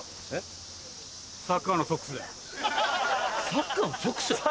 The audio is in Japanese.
サッカーのソックス？